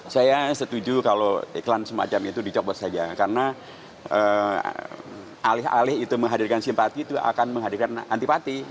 saya setuju kalau iklan semacam itu dicobot saja karena alih alih itu menghadirkan simpati itu akan menghadirkan antipati